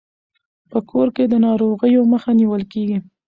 په کور کې د ناروغیو مخه نیول کیږي.